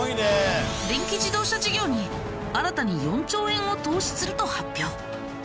電気自動車事業に新たに４兆円を投資すると発表。